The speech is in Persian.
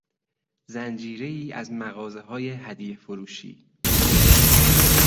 زنجیرهای از مغازههای هدیه فروشی